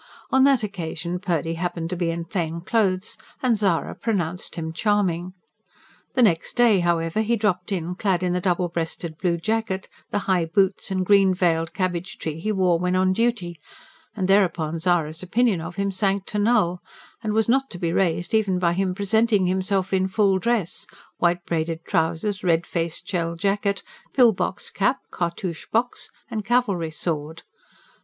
On that occasion Purdy happened to be in plain clothes, and Zara pronounced him charming. The next day, however, he dropped in clad in the double breasted blue jacket, the high boots and green veiled cabbage tree he wore when on duty; and thereupon Zara's opinion of him sank to null, and was not to be raised even by him presenting himself in full dress: white braided trousers, red faced shell jacket, pill box cap, cartouche box and cavalry sword.